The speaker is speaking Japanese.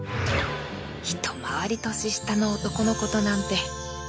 一回り年下の男の子となんて